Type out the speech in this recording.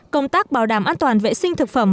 công tác bảo đảm an toàn vệ sinh thực phẩm